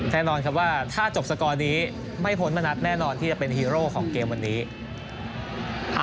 แท้นอนครับว่าท่าจบสกรงค์นี้ไม่พ้นมณัฑแน่นอนที่จะเป็นฮีโร่ของเกมส์